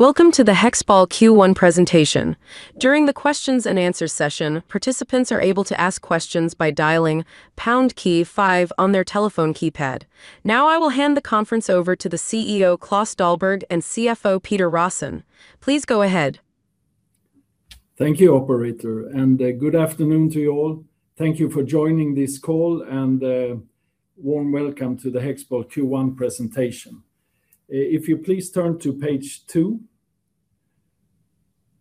Welcome to the HEXPOL Q1 presentation. During the questions-and-answer session, participants are able to ask questions by dialing pound key five on their telephone keypad. Now I will hand the conference over to the CEO, Klas Dahlberg, and CFO, Peter Rosén. Please go ahead. Thank you, operator, good afternoon to you all. Thank you for joining this call, a warm welcome to the HEXPOL Q1 presentation. If you please turn to page two.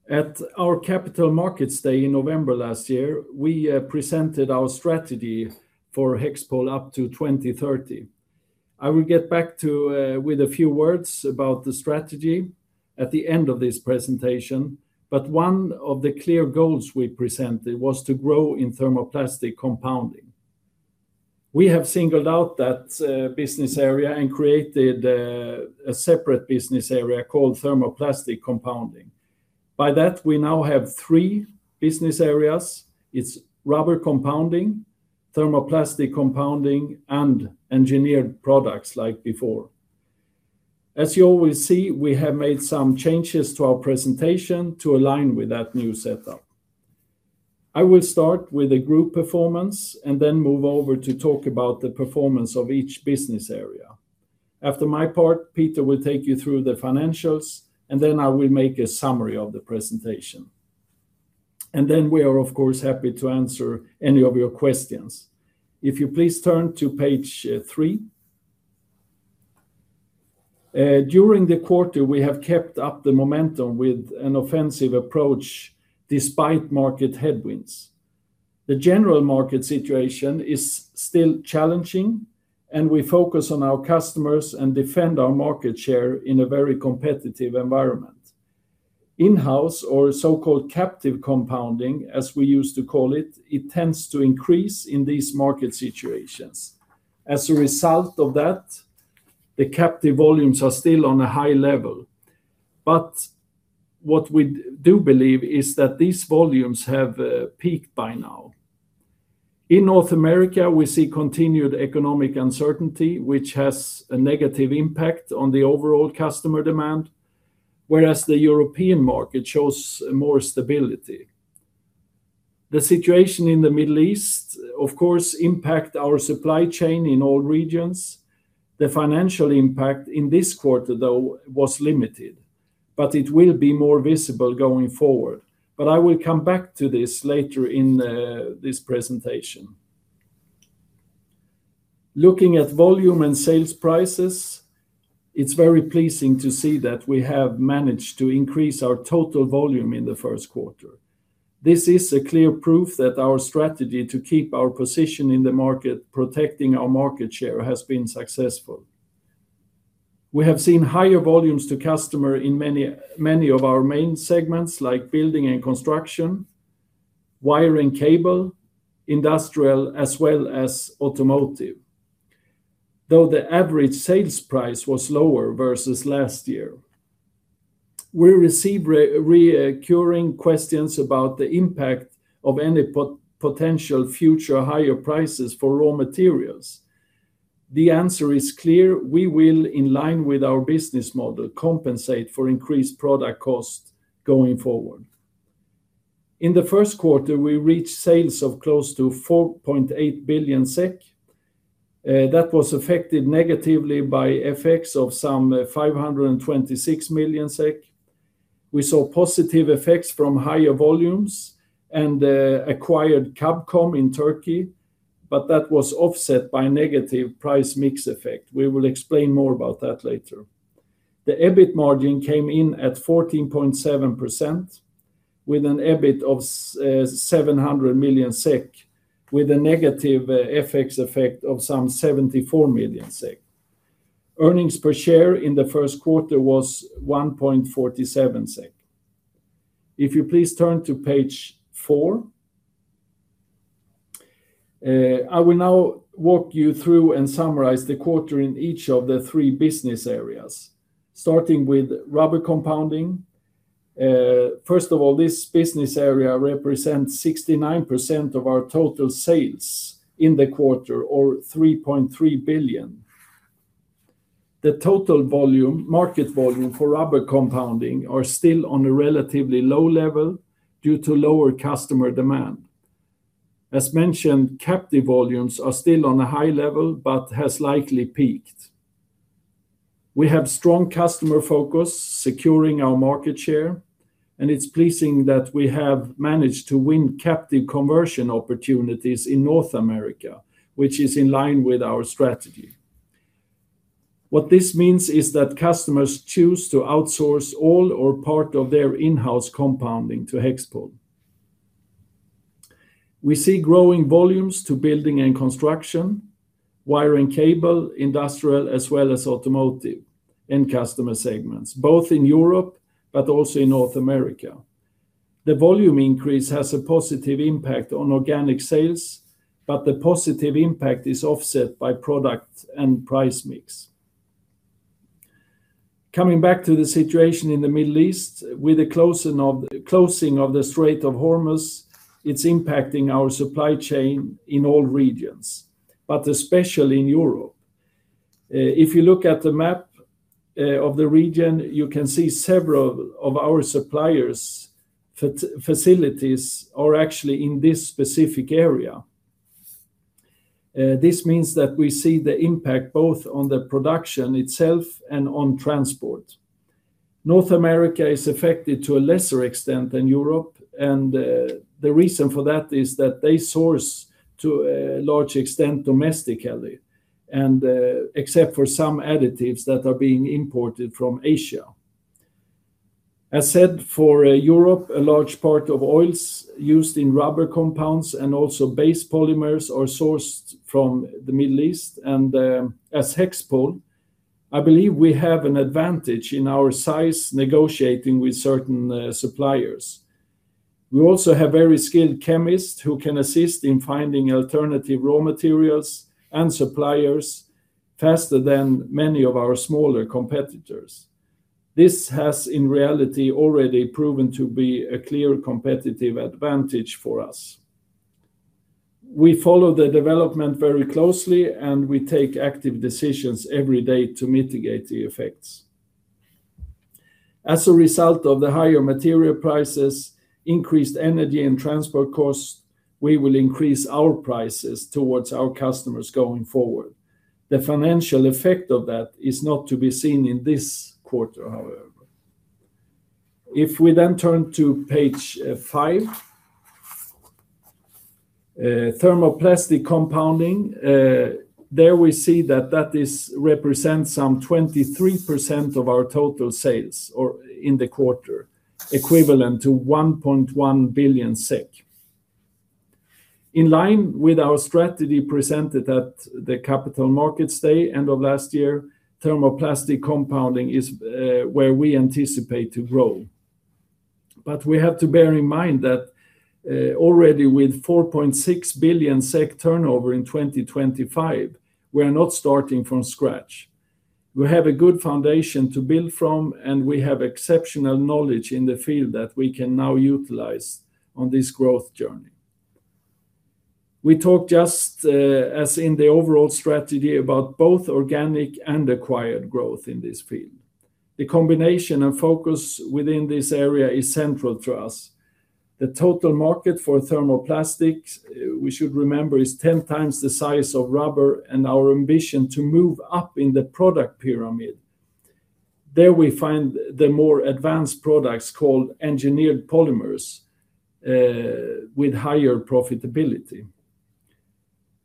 At our Capital Markets Day in November last year, we presented our strategy for HEXPOL up to 2030. I will get back with a few words about the strategy at the end of this presentation, but one of the clear goals we presented was to grow in thermoplastic compounding. We have singled out that business area and created a separate business area called thermoplastic compounding. By that, we now have three business areas. It's Rubber Compounding, Thermoplastic Compounding, and Engineered Products like before. As you will see, we have made some changes to our presentation to align with that new setup. I will start with the group performance and then move over to talk about the performance of each business area. After my part, Peter will take you through the financials, then I will make a summary of the presentation. Then we are, of course, happy to answer any of your questions. If you please turn to page three. During the quarter, we have kept up the momentum with an offensive approach despite market headwinds. The general market situation is still challenging, and we focus on our customers and defend our market share in a very competitive environment. In-house or so-called captive compounding, as we used to call it tends to increase in these market situations. As a result of that, the captive volumes are still on a high level. What we do believe is that these volumes have peaked by now. In North America, we see continued economic uncertainty, which has a negative impact on the overall customer demand, whereas the European market shows more stability. The situation in the Middle East, of course, impact our supply chain in all regions. The financial impact in this quarter, though, was limited, but it will be more visible going forward. I will come back to this later in this presentation. Looking at volume and sales prices, it's very pleasing to see that we have managed to increase our total volume in the first quarter. This is a clear proof that our strategy to keep our position in the market, protecting our market share, has been successful. We have seen higher volumes to customer in many of our main segments, like building and construction, wire and cable, industrial, as well as automotive, though the average sales price was lower versus last year. We receive reoccurring questions about the impact of any potential future higher prices for raw materials. The answer is clear: We will, in line with our business model, compensate for increased product cost going forward. In the first quarter, we reached sales of close to 4.8 billion SEK. That was affected negatively by effects of some 526 million SEK. We saw positive effects from higher volumes and acquired Kabkom in Turkey, but that was offset by negative price mix effect. We will explain more about that later. The EBIT margin came in at 14.7%, with an EBIT of 700 million SEK, with a negative FX effect of some 74 million SEK. Earnings per share in the first quarter was 1.47 SEK. If you please turn to page four. I will now walk you through and summarize the quarter in each of the three business areas, starting with Rubber Compounding. First of all, this business area represents 69% of our total sales in the quarter, or 3.3 billion. The total volume, market volume for Rubber Compounding are still on a relatively low level due to lower customer demand. As mentioned, captive volumes are still on a high level but has likely peaked. We have strong customer focus securing our market share, and it's pleasing that we have managed to win captive conversion opportunities in North America, which is in line with our strategy. What this means is that customers choose to outsource all or part of their in-house compounding to HEXPOL. We see growing volumes to building and construction, wire and cable, industrial, as well as automotive end customer segments, both in Europe but also in North America. The volume increase has a positive impact on organic sales, but the positive impact is offset by product and price mix. Coming back to the situation in the Middle East, with the closing of the Strait of Hormuz, it's impacting our supply chain in all regions, but especially in Europe. If you look at the map of the region, you can see several of our suppliers' facilities are actually in this specific area. This means that we see the impact both on the production itself and on transport. North America is affected to a lesser extent than Europe, and the reason for that is that they source to a large extent domestically, and except for some additives that are being imported from Asia. As said, for Europe, a large part of oils used in rubber compounds and also base polymers are sourced from the Middle East. As HEXPOL, I believe we have an advantage in our size negotiating with certain suppliers. We also have very skilled chemists who can assist in finding alternative raw materials and suppliers faster than many of our smaller competitors. This has, in reality, already proven to be a clear competitive advantage for us. We follow the development very closely, and we take active decisions every day to mitigate the effects. As a result of the higher material prices, increased energy and transport costs, we will increase our prices towards our customers going forward. The financial effect of that is not to be seen in this quarter, however. If we turn to page five, Thermoplastic Compounding, there we see that represents some 23% of our total sales or in the quarter, equivalent to 1.1 billion SEK. In line with our strategy presented at the Capital Markets Day end of last year, Thermoplastic Compounding is where we anticipate to grow. We have to bear in mind that already with 4.6 billion SEK turnover in 2025, we're not starting from scratch. We have a good foundation to build from, and we have exceptional knowledge in the field that we can now utilize on this growth journey. We talk, just, as in the overall strategy, about both organic and acquired growth in this field. The combination and focus within this area is central to us. The total market for thermoplastics, we should remember, is 10 times the size of rubber and our ambition to move up in the product pyramid. There we find the more advanced products called engineered polymers with higher profitability.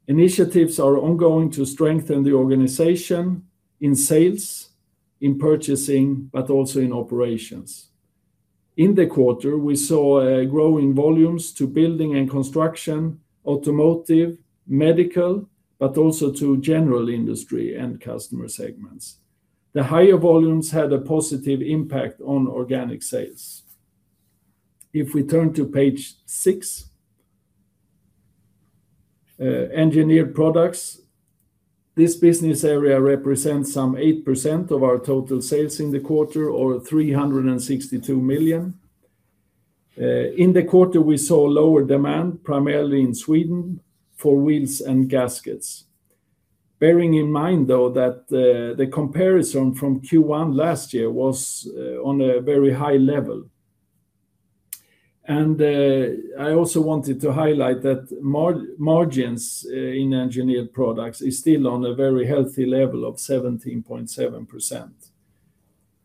Initiatives are ongoing to strengthen the organization in sales, in purchasing, but also in operations. In the quarter, we saw a growing volumes to building and construction, automotive, medical, but also to general industry and customer segments. The higher volumes had a positive impact on organic sales. If we turn to page six, Engineered Products, this business area represents some 8% of our total sales in the quarter, or 362 million. In the quarter, we saw lower demand, primarily in Sweden, for wheels and gaskets. Bearing in mind, though, that the comparison from Q1 last year was on a very high level. I also wanted to highlight that margins in Engineered Products is still on a very healthy level of 17.7%.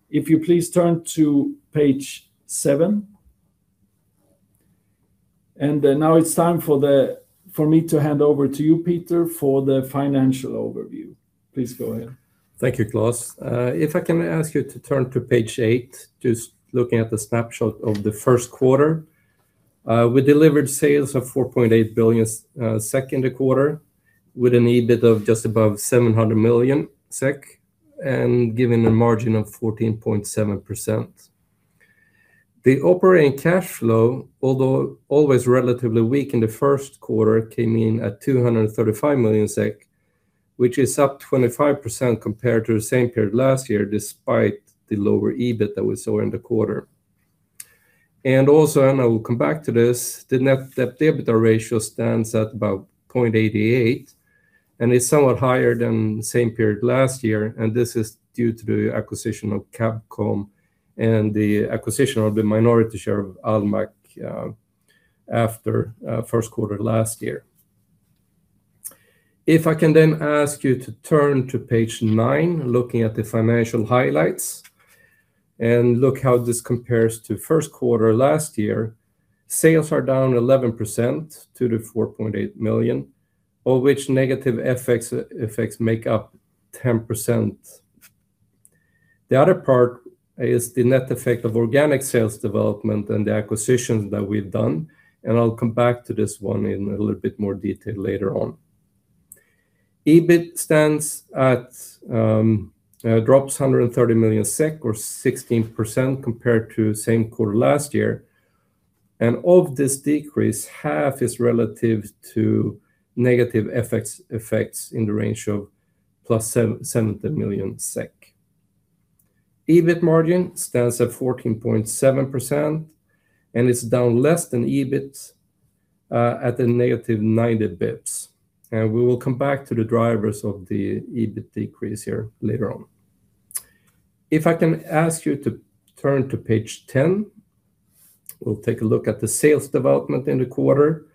If you please turn to page seven. Now it's time for me to hand over to you, Peter, for the financial overview. Please go ahead. Thank you, Klas. If I can ask you to turn to page eight, just looking at the snapshot of the first quarter. We delivered sales of 4.8 billion SEK in the quarter with an EBIT of just above 700 million SEK and giving a margin of 14.7%. The operating cash flow, although always relatively weak in the first quarter, came in at 235 million SEK, which is up 25% compared to the same period last year, despite the lower EBIT that we saw in the quarter. I will come back to this, the net debt-to-EBITDA ratio stands at about 0.88, and it's somewhat higher than the same period last year, and this is due to the acquisition of Kabkom and the acquisition of the minority share of almaak, after first quarter last year. I can then ask you to turn to page nine, looking at the financial highlights, and look how this compares to first quarter last year. Sales are down 11% to the 4.8 million, of which negative FX effects make up 10%. The other part is the net effect of organic sales development and the acquisitions that we've done. I'll come back to this one in a little bit more detail later on. EBIT stands at, drops 130 million SEK or 16% compared to same quarter last year. Of this decrease, half is relative to negative FX effects in the range of +70 million SEK. EBIT margin stands at 14.7%, and it's down less than EBIT, at a negative 90 basis points. We will come back to the drivers of the EBIT decrease here later on. If I can ask you to turn to page 10, we'll take a look at the sales development in the quarter,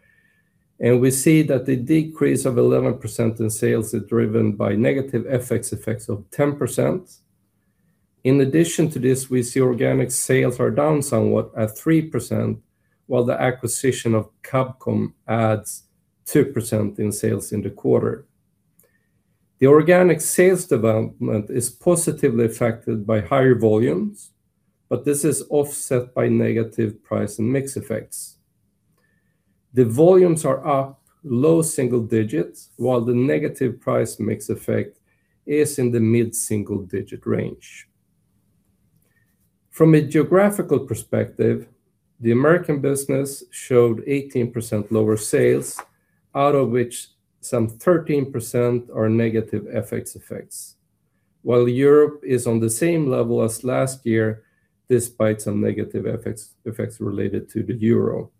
and we see that the decrease of 11% in sales is driven by negative FX effects of 10%. In addition to this, we see organic sales are down somewhat at 3%, while the acquisition of Kabkom adds 2% in sales in the quarter. The organic sales development is positively affected by higher volumes, but this is offset by negative price and mix effects. The volumes are up low single digits, while the negative price mix effect is in the mid-single digit range. From a geographical perspective, the American business showed 18% lower sales, out of which some 13% are negative FX effects, while Europe is on the same level as last year, despite some negative FX effects related to the Euro.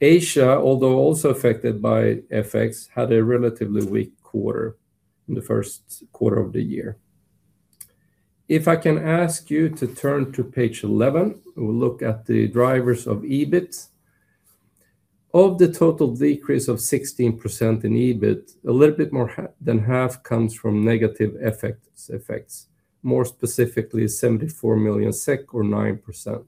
Asia, although also affected by FX, had a relatively weak quarter in the first quarter of the year. If I can ask you to turn to page 11, we'll look at the drivers of EBIT. Of the total decrease of 16% in EBIT, a little bit more than half comes from negative effects, more specifically 74 million SEK or 9%.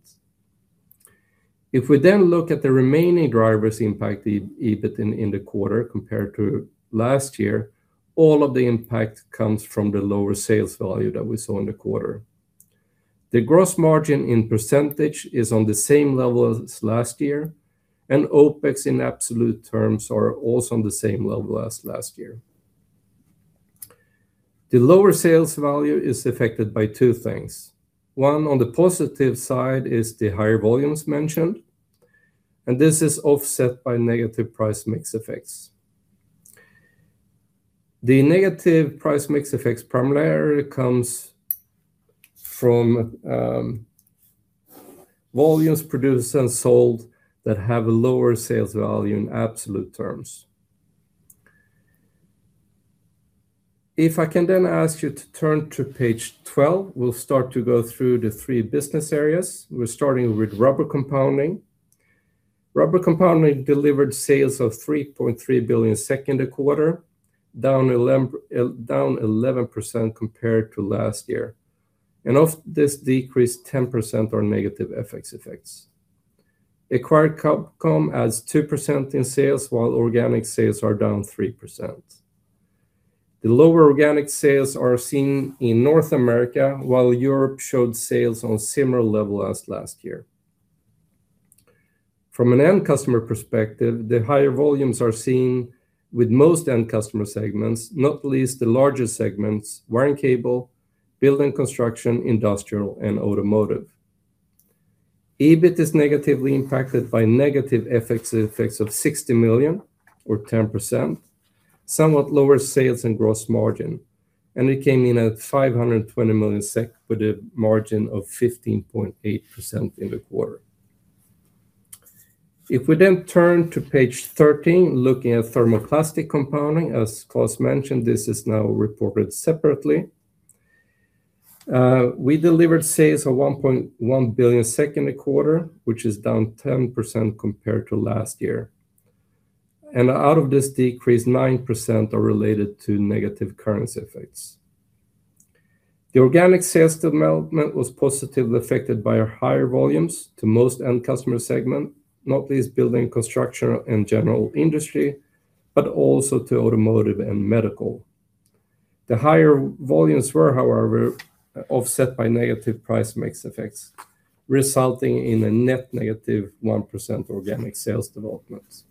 If we look at the remaining drivers impact the EBIT in the quarter compared to last year, all of the impact comes from the lower sales value that we saw in the quarter. The gross margin in percentage is on the same level as last year, and OpEx in absolute terms are also on the same level as last year. The lower sales value is affected by two things. One, on the positive side is the higher volumes mentioned, and this is offset by negative price mix effects. The negative price mix effects primarily comes from volumes produced and sold that have a lower sales value in absolute terms. If I can ask you to turn to page 12, we'll start to go through the three business areas. We're starting with Rubber Compounding. Rubber Compounding delivered sales of 3.3 billion in the quarter, down 11% compared to last year. Of this decrease, 10% are negative FX effects. Acquired Kabkom adds 2% in sales, while organic sales are down 3%. The lower organic sales are seen in North America, while Europe showed sales on similar level as last year. From an end customer perspective, the higher volumes are seen with most end customer segments, not least the largest segments, wiring cable, building construction, industrial and automotive. EBIT is negatively impacted by negative FX effects of 60 million, or 10%, somewhat lower sales and gross margin, it came in at 520 million SEK with a margin of 15.8% in the quarter. If we turn to page 13, looking at Thermoplastic Compounding, as Klas mentioned, this is now reported separately. We delivered sales of 1.1 billion in the quarter, which is down 10% compared to last year. Out of this decrease, 9% are related to negative currency effects. The organic sales development was positively affected by our higher volumes to most end customer segment, not least building construction and general industry, also to automotive and medical. The higher volumes were, however, offset by negative price mix effects, resulting in a net negative 1% organic sales developments.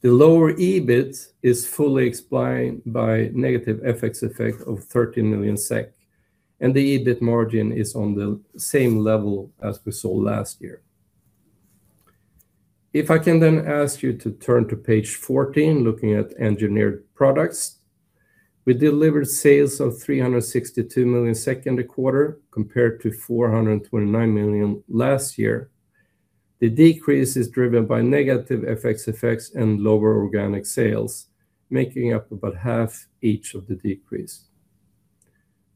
The lower EBIT is fully explained by negative FX effect of 30 million SEK, the EBIT margin is on the same level as we saw last year. If I can then ask you to turn to page 14, looking at engineered products. We delivered sales of 362 million in the quarter compared to 429 million last year. The decrease is driven by negative FX effects and lower organic sales, making up about half each of the decrease.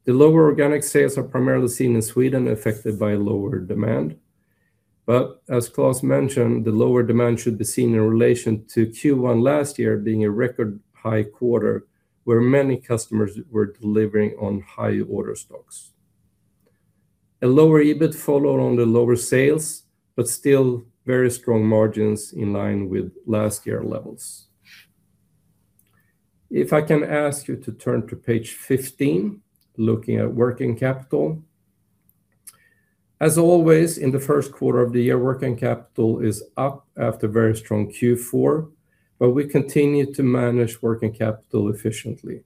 The lower organic sales are primarily seen in Sweden, affected by lower demand. As Klas mentioned, the lower demand should be seen in relation to Q1 last year being a record high quarter where many customers were delivering on high order stocks. A lower EBIT followed on the lower sales, Still very strong margins in line with last year levels. If I can ask you to turn to page 15, looking at working capital. As always, in the first quarter of the year, working capital is up after very strong Q4, We continue to manage working capital efficiently.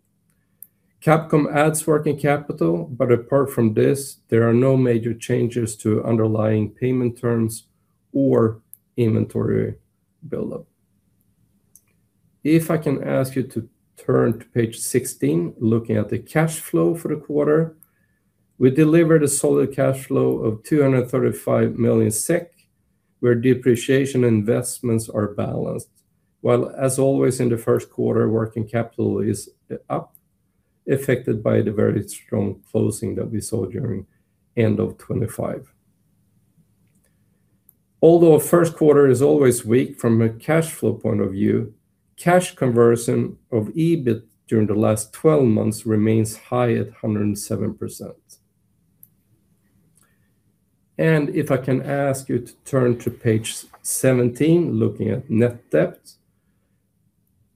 Kabkom adds working capital. Apart from this, there are no major changes to underlying payment terms or inventory buildup. If I can ask you to turn to page 16, looking at the cash flow for the quarter. We delivered a solid cash flow of 235 million SEK, where depreciation investments are balanced, while as always in the first quarter, working capital is up, affected by the very strong closing that we saw during end of 2025. Although our first quarter is always weak from a cash flow point of view, cash conversion of EBIT during the last 12 months remains high at 107%. If I can ask you to turn to page 17, looking at net debt.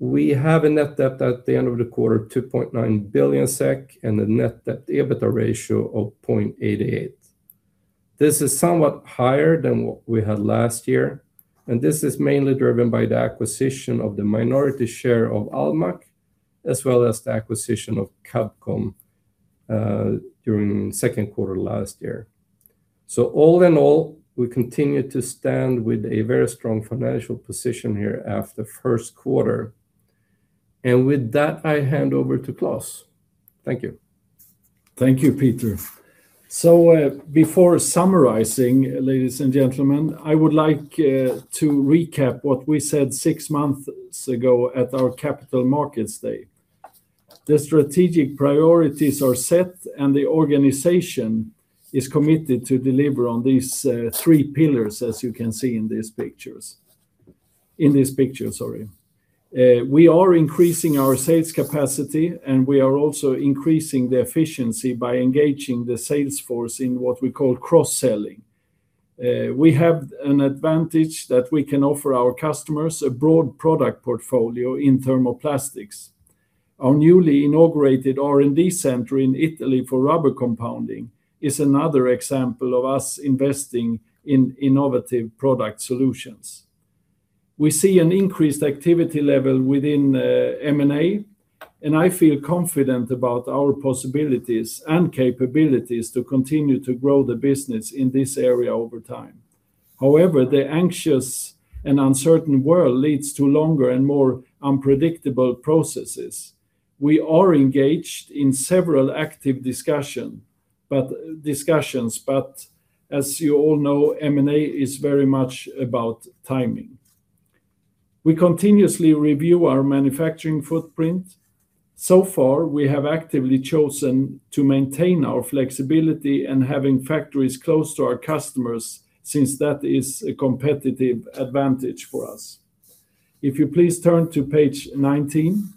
We have a net debt at the end of the quarter, 2.9 billion SEK, and a net debt to EBITDA ratio of 0.88. This is somewhat higher than what we had last year, and this is mainly driven by the acquisition of the minority share of almaak, as well as the acquisition of Kabkom during second quarter last year. All in all, we continue to stand with a very strong financial position here after first quarter. With that, I hand over to Klas. Thank you. Thank you, Peter. Before summarizing, ladies and gentlemen, I would like to recap what we said six months ago at our Capital Markets Day. The strategic priorities are set, and the organization is committed to deliver on these three pillars, as you can see in these pictures. In this picture, sorry. We are increasing our sales capacity, and we are also increasing the efficiency by engaging the sales force in what we call cross-selling. We have an advantage that we can offer our customers a broad product portfolio in thermoplastics. Our newly inaugurated R&D center in Italy for Rubber Compounding is another example of us investing in innovative product solutions. We see an increased activity level within M&A, and I feel confident about our possibilities and capabilities to continue to grow the business in this area over time. The anxious and uncertain world leads to longer and more unpredictable processes. We are engaged in several active discussions, but as you all know, M&A is very much about timing. We continuously review our manufacturing footprint. We have actively chosen to maintain our flexibility and having factories close to our customers since that is a competitive advantage for us. Turn to page 19.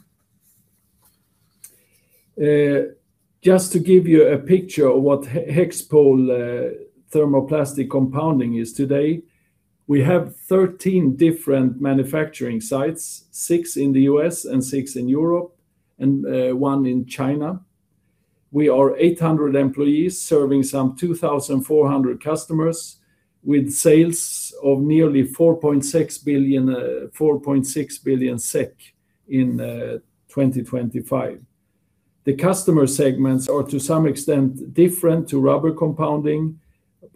Just to give you a picture of what HEXPOL Thermoplastic Compounding is today, we have 13 different manufacturing sites, six in the U.S. and six in Europe, and one in China. We are 800 employees serving some 2,400 customers with sales of nearly 4.6 billion in 2025. The customer segments are to some extent different to Rubber Compounding,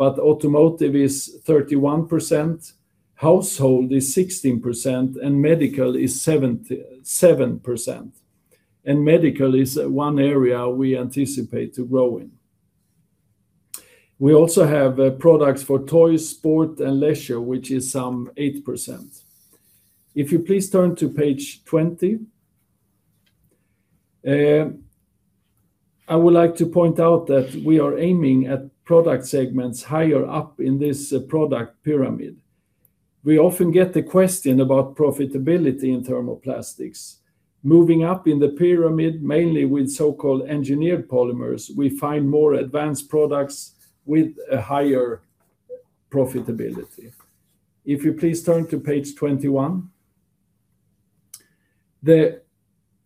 but automotive is 31%, household is 16%, and medical is 7%, and medical is one area we anticipate to grow in. We also have products for toys, sport, and leisure, which is some 8%. If you please turn to page 20. I would like to point out that we are aiming at product segments higher up in this product pyramid. We often get the question about profitability in thermoplastics. Moving up in the pyramid, mainly with so-called engineered polymers, we find more advanced products with a higher profitability. If you please turn to page 21. The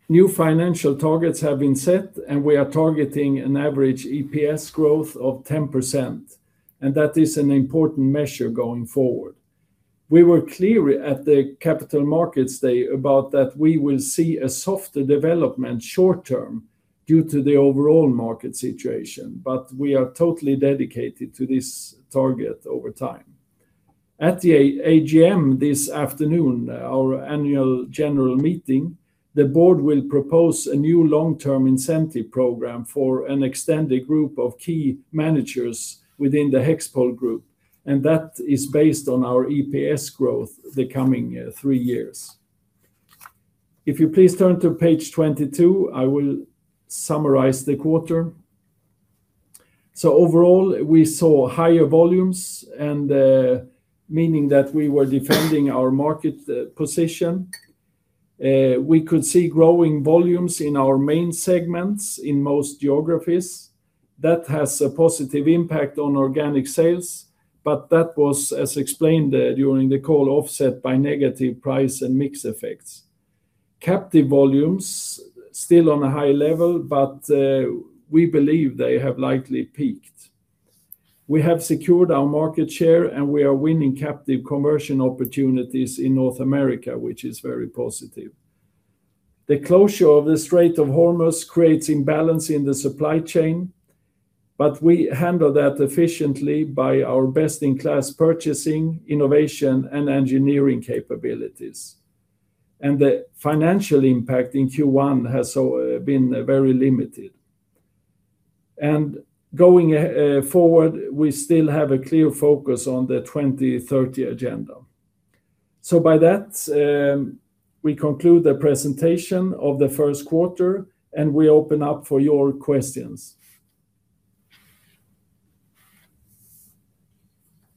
new financial targets have been set, and we are targeting an average EPS growth of 10%, and that is an important measure going forward. We were clear at the Capital Markets Day about that we will see a softer development short term due to the overall market situation, but we are totally dedicated to this target over time. At the AGM this afternoon, our Annual General Meeting, the board will propose a new long-term incentive program for an extended group of key managers within the HEXPOL Group, and that is based on our EPS growth the coming three years. If you please turn to page 22, I will summarize the quarter. Overall, we saw higher volumes and meaning that we were defending our market position. We could see growing volumes in our main segments in most geographies. That has a positive impact on organic sales, but that was, as explained, during the call, offset by negative price and mix effects. Captive volumes still on a high level, but we believe they have likely peaked. We have secured our market share, and we are winning captive conversion opportunities in North America, which is very positive. The closure of the Strait of Hormuz creates imbalance in the supply chain. We handle that efficiently by our best-in-class purchasing, innovation, and engineering capabilities. The financial impact in Q1 has been very limited. Going forward, we still have a clear focus on the 2030 agenda. By that, we conclude the presentation of the first quarter, and we open up for your questions.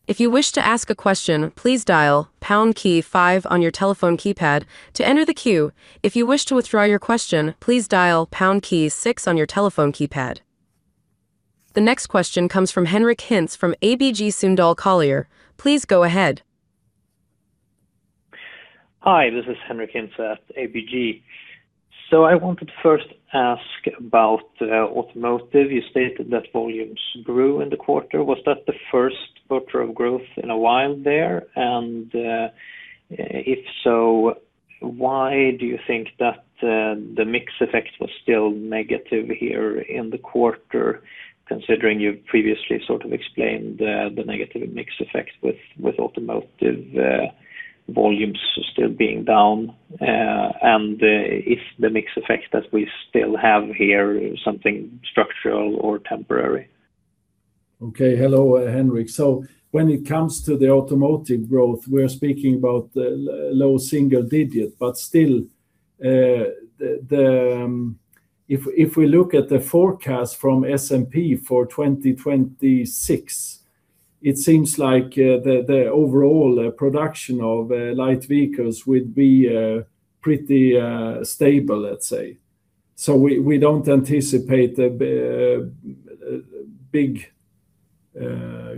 If you wish to ask a question, please dial pound key five on your telephone keypad to enter the queue. If you wish to withdraw your question, please dial pound key six on your telephone keypad. The next question comes from Henric Hintze from ABG Sundal Collier. Please go ahead. Hi, this is Henric Hintze at ABG. I wanted to first ask about automotive. You stated that volumes grew in the quarter. Was that the first quarter of growth in a while there? If so, why do you think that the mix effect was still negative here in the quarter, considering you've previously sort of explained the negative mix effect with automotive volumes still being down? Is the mix effect that we still have here something structural or temporary? Hello, Henric. When it comes to the automotive growth, we're speaking about low single-digit, but still, if we look at the forecast from S&P for 2026, it seems like the overall production of light vehicles would be pretty stable, let's say. We don't anticipate a big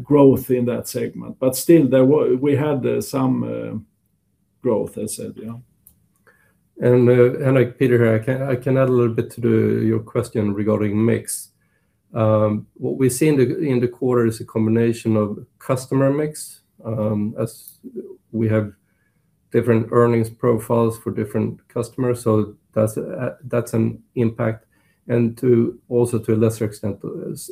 growth in that segment. Still, we had some growth, as said, yeah. Henric, Peter here. I can add a little bit to your question regarding mix. What we see in the quarter is a combination of customer mix, as we have different earnings profiles for different customers, so that's an impact. Also to a lesser extent,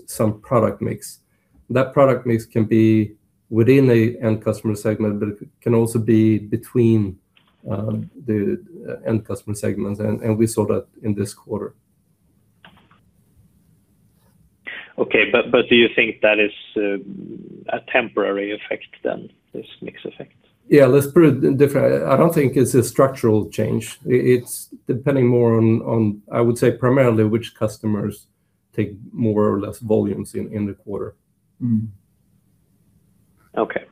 some product mix. That product mix can be within a end customer segment, but it can also be between the end customer segments, and we saw that in this quarter. Okay. Do you think that is a temporary effect then, this mix effect? Yeah. Let's put it different. I don't think it's a structural change. It's depending more on, I would say, primarily which customers take more or less volumes in the quarter. Okay.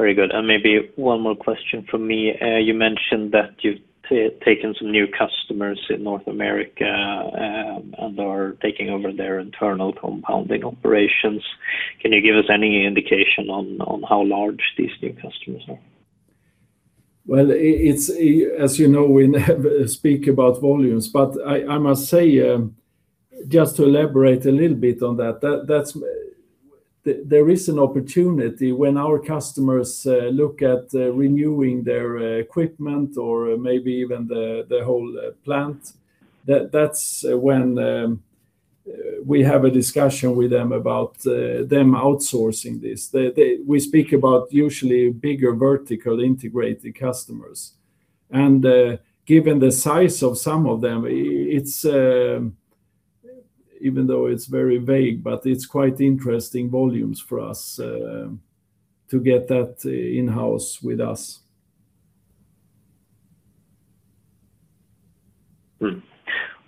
Very good. Maybe one more question from me. You mentioned that you've taken some new customers in North America and are taking over their internal compounding operations. Can you give us any indication on how large these new customers are? Well, it's, as you know, we never speak about volumes, but I must say, just to elaborate a little bit on that's, there is an opportunity when our customers look at renewing their equipment or maybe even the whole plant, that's when we have a discussion with them about them outsourcing this. We speak about usually bigger vertically integrated customers. Given the size of some of them, it's, even though it's very vague, but it's quite interesting volumes for us to get that in-house with us.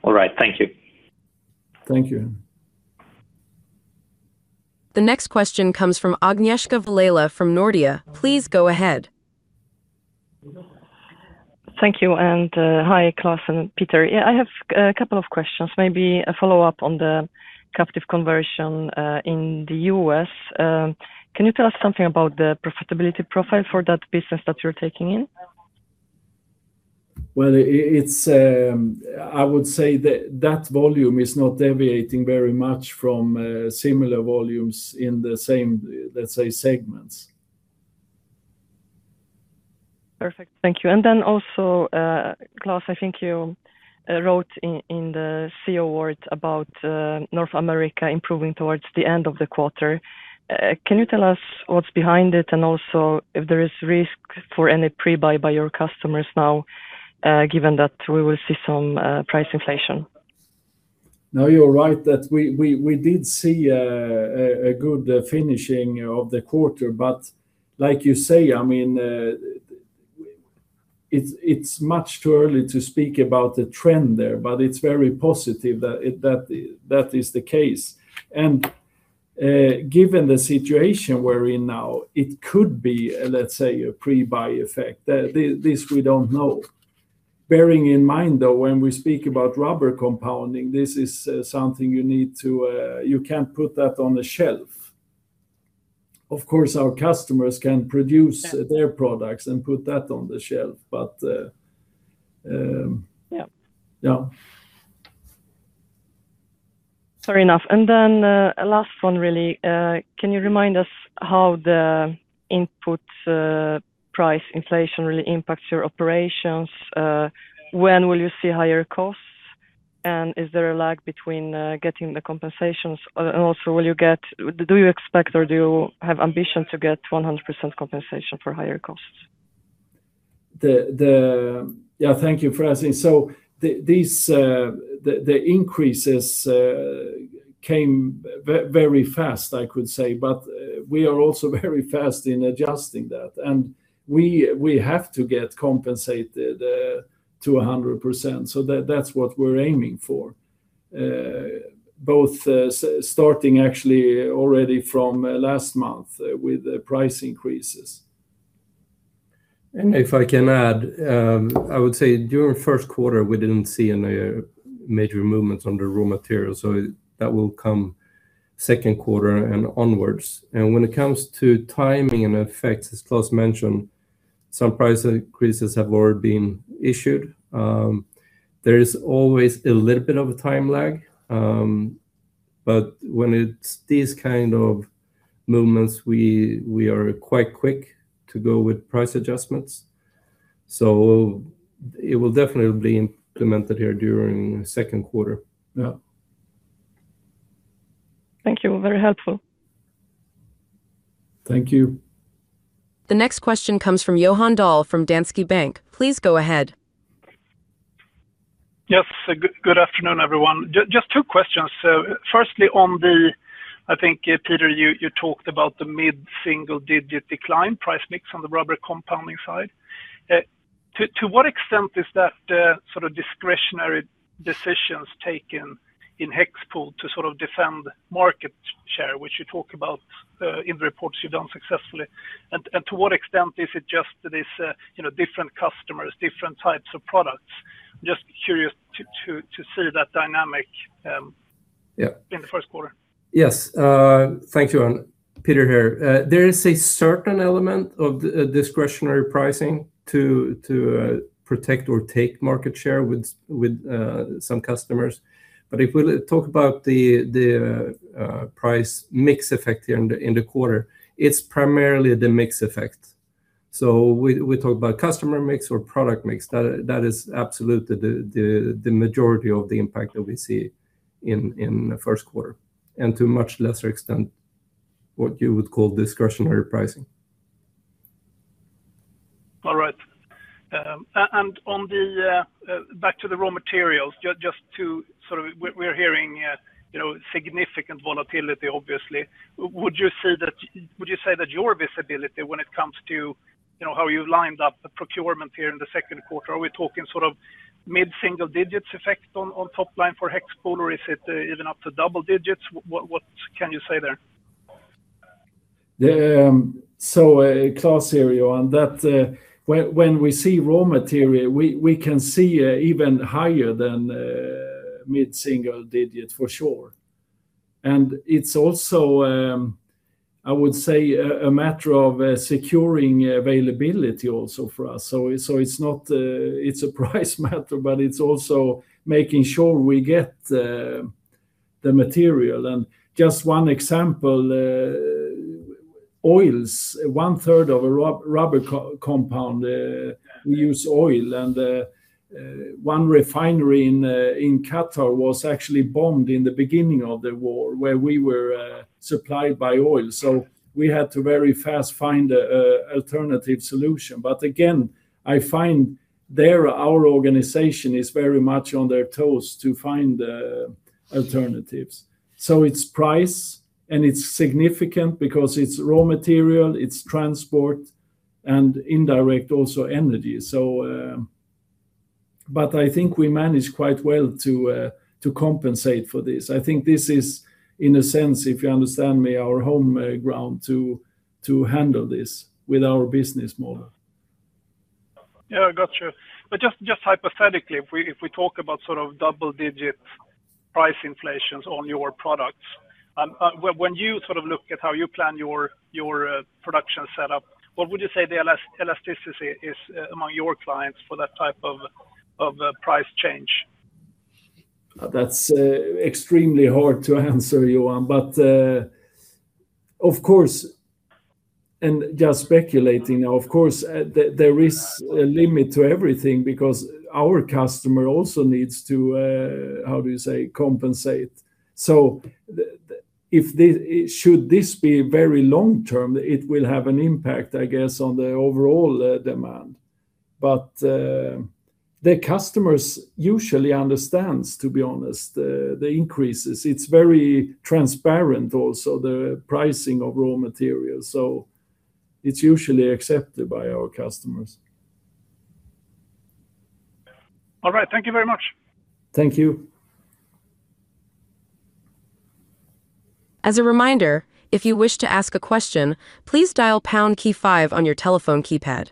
All right. Thank you. Thank you. The next question comes from Agnieszka Vilela from Nordea. Please go ahead. Thank you, and hi, Klas and Peter. Yeah, I have a couple of questions, maybe a follow-up on the captive conversion in the U.S. Can you tell us something about the profitability profile for that business that you're taking in? Well, it's, I would say that that volume is not deviating very much from similar volumes in the same, let's say, segments. Perfect. Thank you. Klas, I think you wrote in the CEO word about North America improving towards the end of the quarter. Can you tell us what's behind it and also if there is risk for any pre-buy by your customers now, given that we will see some price inflation? No, you're right that we did see a good finishing of the quarter, but like you say, I mean, it's much too early to speak about the trend there, but it's very positive that that is the case. Given the situation we're in now, it could be, let's say, a pre-buy effect. This we don't know. Bearing in mind, though, when we speak about Rubber Compounding, this is something you need to. You can't put that on the shelf. Of course, our customers can produce. Yeah their products and put that on the shelf, but. Yeah yeah. Fair enough. Last one, really. Can you remind us how the input price inflation really impacts your operations? When will you see higher costs? Is there a lag between getting the compensations? Also, do you expect or do you have ambition to get 100% compensation for higher costs? Yeah, thank you for asking. The increases came very fast, I could say. We are also very fast in adjusting that. We have to get compensated to 100%, so that's what we're aiming for. Both starting actually already from last month with the price increases. If I can add, I would say during first quarter we didn't see any major movements on the raw materials, so that will come second quarter and onwards. When it comes to timing and effects, as Klas mentioned, some price increases have already been issued. There is always a little bit of a time lag, but when it's these kind of movements, we are quite quick to go with price adjustments. It will definitely be implemented here during second quarter. Yeah. Thank you. Very helpful. Thank you. The next question comes from Johan Dahl from Danske Bank. Please go ahead. Yes. Good afternoon, everyone. Just two questions. Firstly on the... I think, Peter Rosén, you talked about the mid-single digit decline price mix on the Rubber Compounding side. To what extent is that sort of discretionary decisions taken in HEXPOL to sort of defend market share, which you talk about in the reports you've done successfully? To what extent is it just this, you know, different customers, different types of products? Just curious to see that dynamic. Yeah in the first quarter. Yes. Thank you, Johan. Peter here. There is a certain element of discretionary pricing to protect or take market share with some customers. If we talk about the price mix effect here in the quarter, it's primarily the mix effect. We talk about customer mix or product mix. That is absolutely the majority of the impact that we see in the first quarter, and to a much lesser extent what you would call discretionary pricing. All right. Back to the raw materials. Just to sort of. We're hearing, you know, significant volatility obviously. Would you say that your visibility when it comes to, you know, how you've lined up the procurement here in the second quarter, are we talking sort of mid-single digits effect on top line for HEXPOL, or is it even up to double digits? What can you say there? Klas here, Johan. When we see raw material, we can see even higher than mid-single digit for sure. It's also, I would say, a matter of securing availability also for us. It's not. It's a price matter, but it's also making sure we get the material. Just one example, oils. One third of a rubber compound, we use oil. One refinery in Qatar was actually bombed in the beginning of the war, where we were supplied by oil. We had to very fast find an alternative solution. Again, I find there our organization is very much on their toes to find alternatives. It's price, and it's significant because it's raw material, it's transport, and indirect also energy. I think we manage quite well to compensate for this. I think this is, in a sense, if you understand me, our home ground to handle this with our business model. Yeah, gotcha. Just hypothetically, if we talk about sort of double digit price inflations on your products, when you sort of look at how you plan your production setup, what would you say the elasticity is among your clients for that type of a price change? That's extremely hard to answer, Johan. Of course, just speculating now, of course, there is a limit to everything because our customer also needs to, how do you say, compensate. The, if this should be very long-term, it will have an impact, I guess, on the overall demand. The customers usually understands, to be honest, the increases. It's very transparent also, the pricing of raw materials, so it's usually accepted by our customers. All right. Thank you very much. Thank you. As a reminder, if you wish to ask a question, please dial pound key five on your telephone keypad.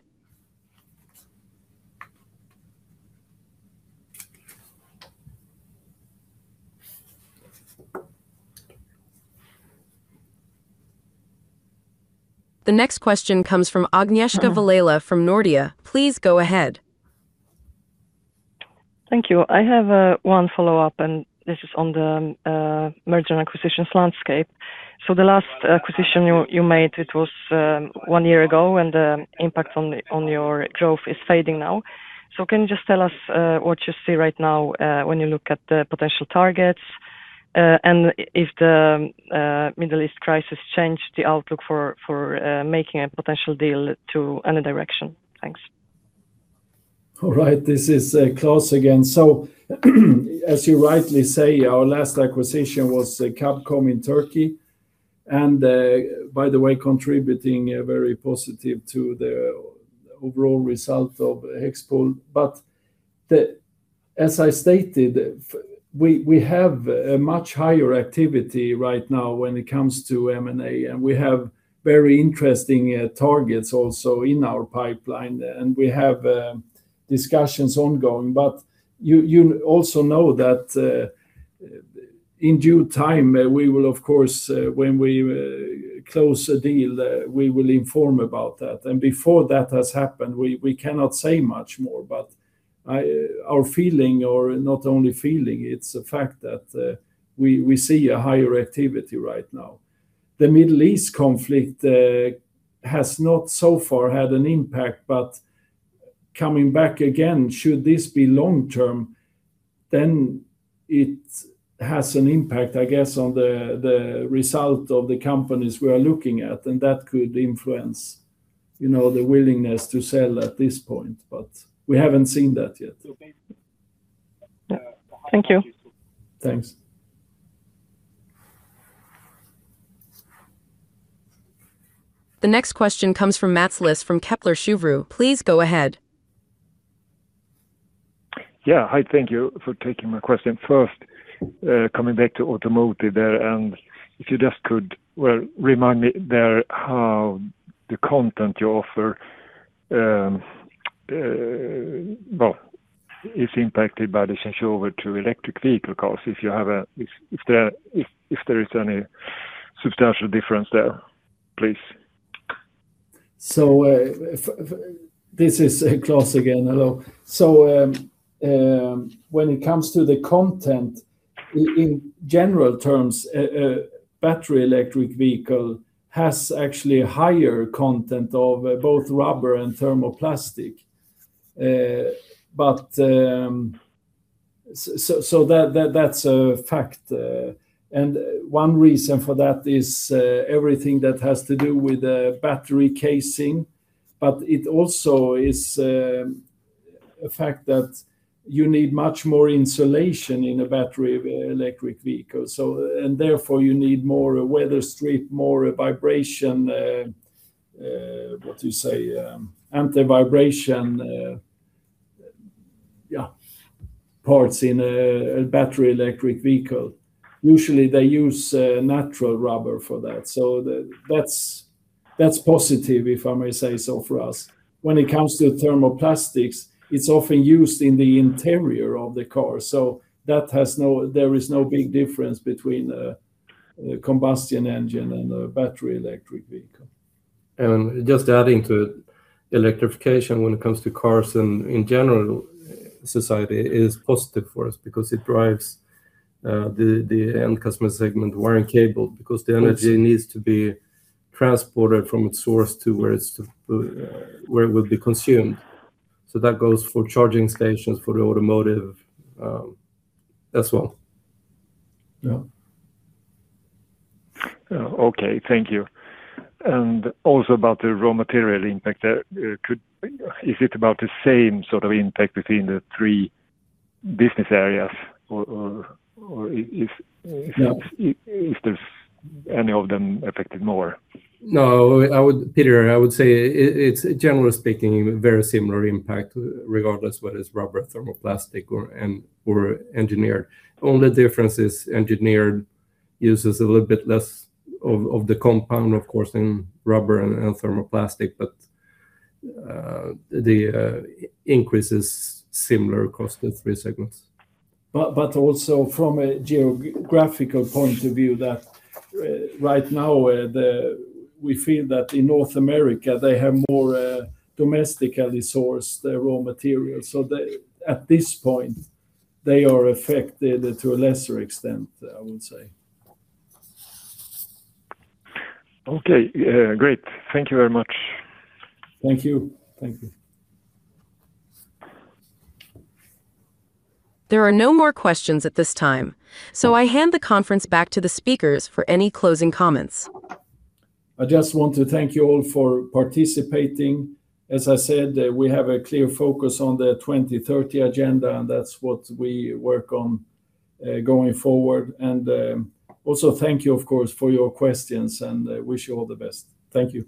The next question comes from Agnieszka Vilela from Nordea. Please go ahead. Thank you. I have one follow-up, and this is on the merger and acquisitions landscape. The last acquisition you made, it was one year ago, and the impact on your growth is fading now. Can you just tell us what you see right now when you look at the potential targets? And if the Middle East crisis changed the outlook for making a potential deal to any direction? Thanks. All right. This is Klas again. As you rightly say, our last acquisition was Kabkom in Turkey, and by the way, contributing a very positive to the overall result of HEXPOL. As I stated, we have a much higher activity right now when it comes to M&A, we have very interesting targets also in our pipeline, we have discussions ongoing. You also know that, in due time, we will of course, when we close a deal, we will inform about that. Before that has happened, we cannot say much more. Our feeling, or not only feeling, it's a fact that we see a higher activity right now. The Middle East conflict has not so far had an impact, coming back again, should this be long-term, then it has an impact, I guess, on the result of the companies we are looking at, and that could influence, you know, the willingness to sell at this point. We haven't seen that yet. Yeah. Thank you. Thanks. The next question comes from Mats Liss from Kepler Cheuvreux. Please go ahead. Yeah. Hi, thank you for taking my question. First, coming back to automotive there, if you just could, well, remind me there how the content you offer, well, is impacted by the changeover to electric vehicle cars, if there is any substantial difference there, please? This is Klas again. Hello. When it comes to the content, in general terms, a battery electric vehicle has actually a higher content of both rubber and thermoplastic. That's a fact, and one reason for that is everything that has to do with the battery casing. It also is a fact that you need much more insulation in a battery electric vehicle, therefore you need more weather strip, more vibration, what you say? Anti-vibration parts in a battery electric vehicle. Usually they use natural rubber for that's positive, if I may say so, for us. When it comes to thermoplastics, it's often used in the interior of the car, that has no. There is no big difference between a combustion engine and a battery electric vehicle. Just adding to electrification when it comes to cars and in general society is positive for us because it drives, the end customer segment wiring cable because the energy needs to be transported from its source to where it will be consumed. That goes for charging stations for the automotive as well. Yeah. Okay. Thank you. Also about the raw material impact, Is it about the same sort of impact between the three business areas or if not? Yeah if there's any of them affected more? No, Peter, I would say it's generally speaking, very similar impact, regardless whether it's rubber, thermoplastic or engineered. Only difference is engineered uses a little bit less of the compound, of course, than rubber and thermoplastic, but the increase is similar across the three segments. Also from a geographical point of view that, right now, we feel that in North America, they have more domestically sourced, the raw materials. They, at this point, they are affected to a lesser extent, I would say. Okay. Great. Thank you very much. Thank you. Thank you. There are no more questions at this time, so I hand the conference back to the speakers for any closing comments. I just want to thank you all for participating. As I said, we have a clear focus on the 2030 agenda, and that's what we work on going forward. Also thank you, of course, for your questions, and I wish you all the best. Thank you.